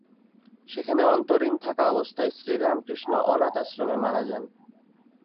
সেখানে অন্তরীণ থাকা অবস্থায় শ্রীরামকৃষ্ণ অনাথ আশ্রমে মারা যান।